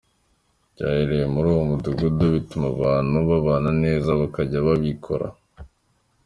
Byahereye muri uwo mudugudu bituma abantu babana neza bakajya babikora.